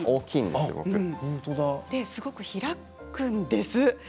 すごく開くんです。